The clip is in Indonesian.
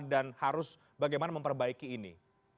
dan harus bagaimana memperbaiki ini